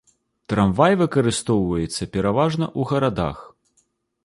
Трамвай выкарыстоўваецца пераважна ў гарадах.